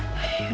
dari mana mbak